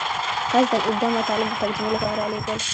قصداً اوږده مطالب د ترجمې لپاره رالېږل.